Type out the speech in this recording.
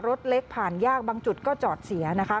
รถเล็กผ่านยากบางจุดก็จอดเสียนะคะ